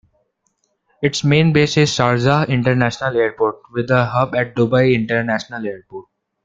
Its main base is Sharjah International Airport, with a hub at Dubai International Airport.